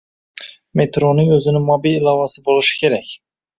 Metroning oʻzini mobil ilovasi boʻlishi kerak.